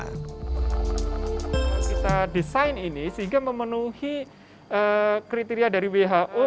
kita desain ini sehingga memenuhi kriteria dari who